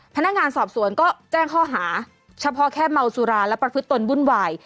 พนักงานสอบสวนก็แจ้งข้อหาเฉพาะแค่เมาสุราและประพฤติตนวุ่นวาย